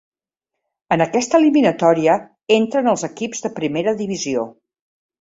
En aquesta eliminatòria entren els equips de primera divisió.